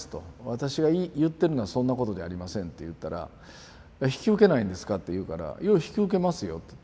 「私が言ってるのはそんなことじゃありません」と言ったら「引き受けないんですか？」って言うから「いや引き受けますよ」と。